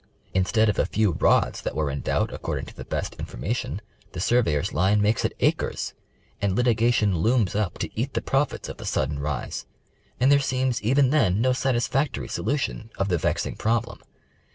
Instead of a few rods that were in doubt according to the best information, the surveyor's line makes it acres, and litigation, looms up to eat the profits of the sudden rise, and there seems even then no satisfactory solution of the vexing problem.